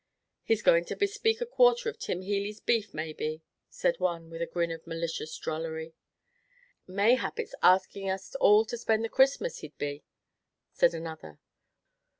"He's going to bespeak a quarter of Tim Healey's beef, maybe," said one, with a grin of malicious drollery. "Mayhap it's askin' us all to spend the Christmas he'd be," said another.